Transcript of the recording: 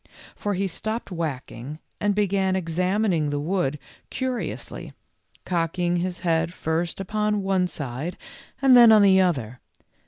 For he stopped whacking and began examining the wood curi ously, cocking his head first upon one side and then on the other.